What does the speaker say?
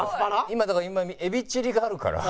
今だからエビチリがあるから。